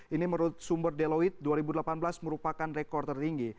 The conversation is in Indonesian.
ini menurut sumber deloid dua ribu delapan belas merupakan rekor tertinggi